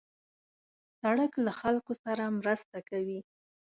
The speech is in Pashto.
سړک له خلکو سره مرسته کوي.